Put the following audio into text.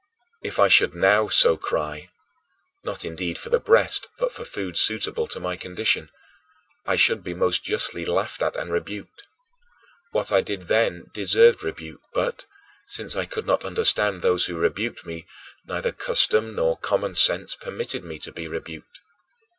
If I should now so cry not indeed for the breast, but for food suitable to my condition I should be most justly laughed at and rebuked. What I did then deserved rebuke but, since I could not understand those who rebuked me, neither custom nor common sense permitted me to be rebuked.